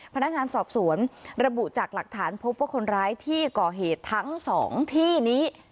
พนักงานสอบสวนระบุจากหลักฐานพบว่าคนร้ายที่ก่อเหตุทั้งสองที่นี้